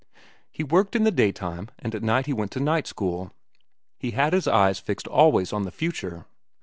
"He worked in the daytime, and at night he went to night school. He had his eyes fixed always on the future.